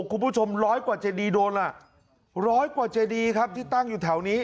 ร้อยกว่าเจดีโดนล่ะร้อยกว่าเจดีครับที่ตั้งอยู่แถวนี้